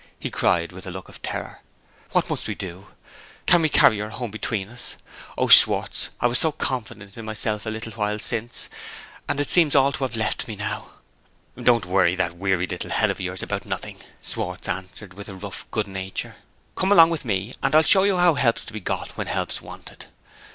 he cried, with a look of terror. "What must we do? Can we carry her home between us? Oh! Schwartz, I was so confident in myself a little while since and it seems all to have left me now!" "Don't worry that weary little head of yours about nothing," Schwartz answered, with rough good nature. "Come along with me, and I'll show you where help's to be got when help's wanted.